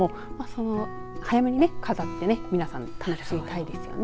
早めに飾って楽しみたいですよね。